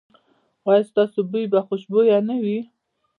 ایا ستاسو بوی به خوشبويه نه وي؟